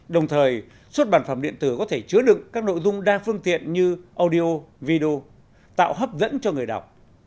đồng thời xuất bản phẩm điện tử có thể chứa đựng các nội dung đa phương tiện như audio video tạo hấp dẫn cho người đọc